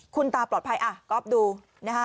คุณตาปลอดภัยอ่ะก๊อฟดูนะฮะ